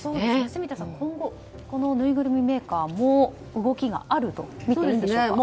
住田さん、今後このぬいぐるみメーカーも動きがあるとみていいんでしょうか。